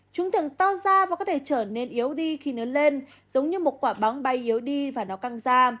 chúng thường to ra và có thể trở nên yếu đi khi lớn lên giống như một quả bóng bay yếu đi và nó căng ra